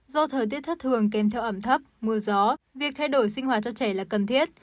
do thời tiết thất thường kèm theo ẩm thấp mưa gió việc thay đổi sinh hoạt cho trẻ là cần thiết